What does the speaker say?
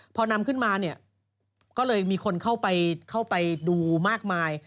พอนำขึ้นมาเนี่ยก็เลยมีคนเข้าไปดูมากมาย